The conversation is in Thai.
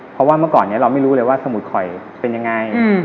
เพราะว่าเมื่อก่อนนี้เราไม่รู้เลยว่าสมุดข่อยเป็นยังไง